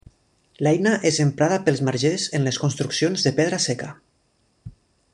L'eina és emprada pels margers en les construccions de pedra seca.